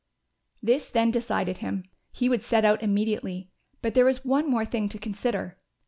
This then decided him. He would set out immediately; but there was one more thing to consider.